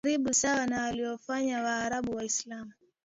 karibu sawa na walivyofanya Waarabu Waislamu